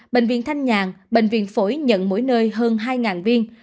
bệnh viện thanh nhàn bệnh viện phổi nhận mỗi nơi hơn hai viên